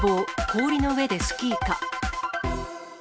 氷の上でスキーか。